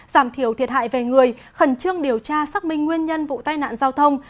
giảm thiểu thiệt hại về người khẩn trương điều tra xác minh nguyên nhân vụ tai nạn giao thông